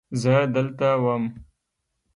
زه دلته وم.